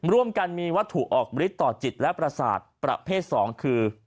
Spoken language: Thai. ร่วมกันมีวัตถุออกฤทธิต่อจิตและประสาทประเภท๒คือ